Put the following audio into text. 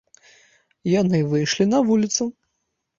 Яны выйшлі на вуліцу.